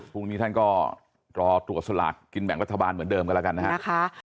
พรุ่งนี้ท่านก็รอตรวจสลากกินแบ่งรัฐบาลเหมือนเดิมกันแล้วกันนะครับ